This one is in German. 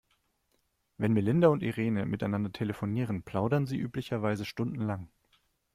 Wenn Melinda und Irene miteinander telefonieren, plaudern sie üblicherweise stundenlang.